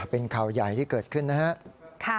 เป็นข่าวใหญ่ที่เกิดขึ้นนะครับ